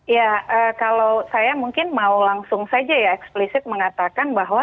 ya kalau saya mungkin mau langsung saja ya eksplisit mengatakan bahwa